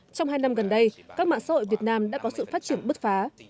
trong hai năm gần đây các mạng xã hội việt nam đã có sự phát triển bứt phá